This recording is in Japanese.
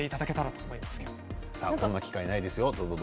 こんな機会はないですよ。